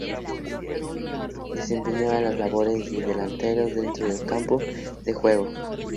Desempeñaba las labores de delantero dentro del campo de juego.